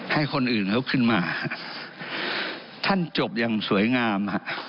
ให้คนอื่นเขาขึ้นมาท่านจบอย่างสวยงาม